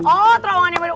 oh terowongannya baru